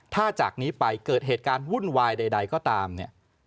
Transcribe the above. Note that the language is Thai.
ถ้าจากนี้ไปเกิดเหตุการณ์วุ่นวายใดก็ตามเนี่ย